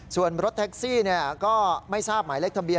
ส่วนรถแท็กซี่ก็ไม่ทราบหมายเลขทะเบียน